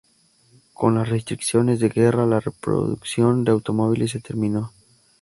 Con las restricciones de guerra la producción de automóviles se terminó.